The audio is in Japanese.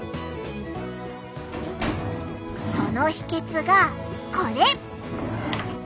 その秘けつがこれ！